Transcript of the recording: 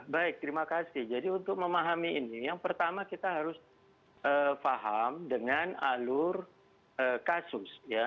baik terima kasih jadi untuk memahami ini yang pertama kita harus paham dengan alur kasus